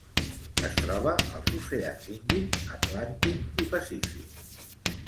Es troba als oceans Índic, Atlàntic i Pacífic.